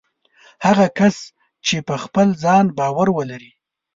هغه کس چې په خپل ځان باور ولري